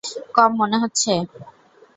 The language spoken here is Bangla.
কম মনে হচ্ছে।